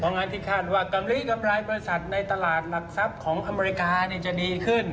งั้นที่คาดว่ากำลีกำไรบริษัทในตลาดหลักทรัพย์ของอเมริกาจะดีขึ้น